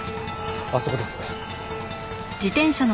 あそこです。